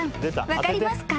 分かりますか？］